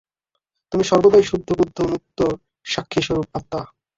তুমি সর্বদাই শুদ্ধ বুদ্ধ মুক্ত সাক্ষিস্বরূপ আত্মা।